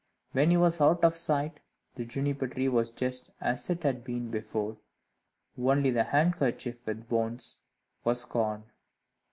When he was out of sight, the Juniper tree was just as it had been before, only the handkerchief with the bones was gone.